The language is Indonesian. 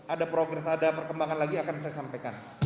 ada progres ada perkembangan lagi akan saya sampaikan